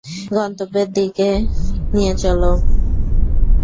গন্তব্যের দিকে নিয়ে চলো।